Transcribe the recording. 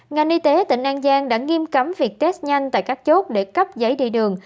ngành y tế tỉnh an giang đã nghiêm cấm việc test nhanh tại các chốt để cấp giấy đi đường